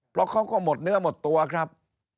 เพราะเขาก็หมดเนื้อหมดตัวครับ